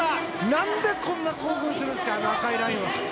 何でこんな興奮するんですかあの赤いラインは！